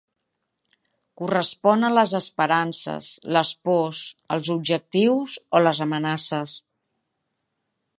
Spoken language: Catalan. Corresponen a les esperances, les pors, els objectius o les amenaces.